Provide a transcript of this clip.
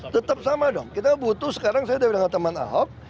tetap sama dong kita butuh sekarang saya udah bilang sama teman ahok